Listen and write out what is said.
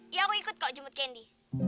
iya aku ikut kok jemput candy